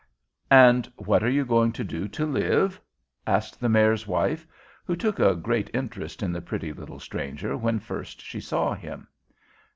"And what are you going to do to live?" asked the Mayor's wife, who took a great interest in the pretty little stranger when first she saw him.